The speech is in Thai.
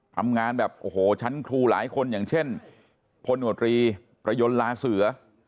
ทำงานแบบโอ้โหชั้นครูหลายคนอย่างเช่นพลโนตรีประยนต์ลาเสือ